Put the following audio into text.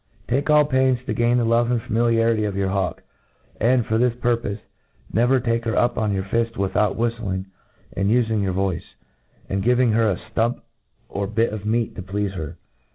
* Take all pains to gain the love and familiarity of your hawk ; and, for this pUrpofe,. never take her up on your fift without whittling, and* ufing your voice, and giving her a ftump or bit of meat to pleafe her.